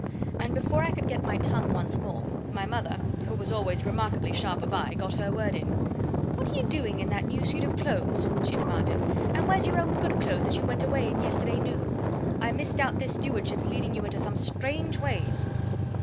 And before I could get my tongue once more, my mother, who was always remarkably sharp of eye, got her word in. "What're you doing in that new suit of clothes?" she demanded. "And where's your own good clothes that you went away in yesterday noon? I misdoubt this stewardship's leading you into some strange ways!"